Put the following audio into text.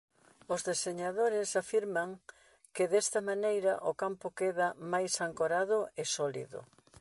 Os deseñadores afirman que desta maneira o campo queda máis ancorado e sólido.